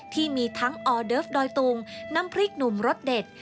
ที่มีทั้งออเดิฟดอยตุงน้ำพริกหนุ่มรสเด็ด